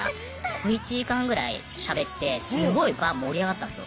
小１時間ぐらいしゃべってすごい場盛り上がったんですよ。